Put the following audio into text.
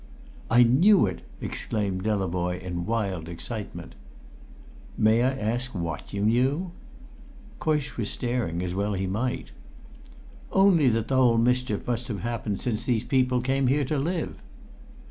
"I knew it!" exclaimed Delavoye in wild excitement. "May I ask what you knew?" Coysh was staring, as well he might. "Only that the whole mischief must have happened since these people came here to live!"